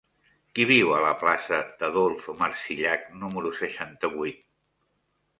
Qui viu a la plaça d'Adolf Marsillach número seixanta-vuit?